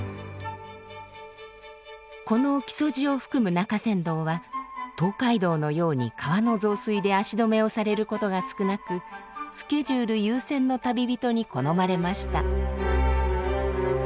この木曽路を含む中山道は東海道のように川の増水で足止めをされることが少なくスケジュール優先の旅人に好まれました。